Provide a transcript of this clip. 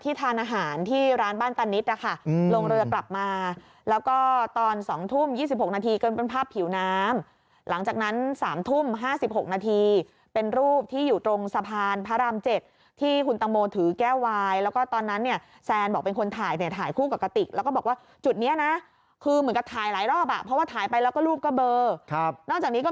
มีความรู้สึกว่ามีความรู้สึกว่ามีความรู้สึกว่ามีความรู้สึกว่ามีความรู้สึกว่ามีความรู้สึกว่ามีความรู้สึกว่ามีความรู้สึกว่ามีความรู้สึกว่ามีความรู้สึกว่ามีความรู้สึกว่ามีความรู้สึกว่ามีความรู้สึกว่ามีความรู้สึกว่ามีความรู้สึกว่ามีความรู้สึกว